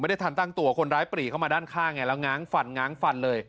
ได้ทันตั้งตัวคนร้ายปรีเข้ามาด้านข้างไงแล้วง้างฟันง้างฟันเลย